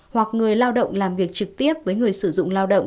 hoặc người lao động làm việc trực tiếp với người sử dụng lao động